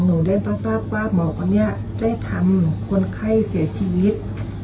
หนูได้มาทราบว่าหมอคนนี้ได้ทำคนไข้เสียชีวิต